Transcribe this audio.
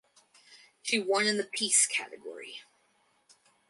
She won in the Peace category.